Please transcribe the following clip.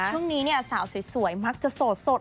ช่วงนี้เนี่ยสาวสวยมักจะโสด